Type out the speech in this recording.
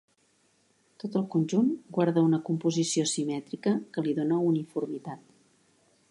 Tot el conjunt guarda una composició simètrica que li dóna uniformitat.